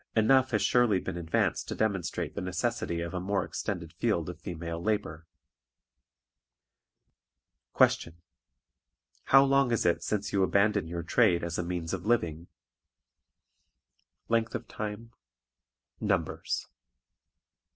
Enough has surely been advanced to demonstrate the necessity of a more extended field of female labor. Question. HOW LONG IS IT SINCE YOU ABANDONED YOUR TRADE AS A MEANS OF LIVING? Length of Time. Numbers.